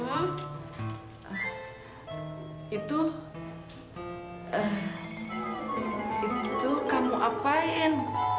ah itu eh itu kamu apain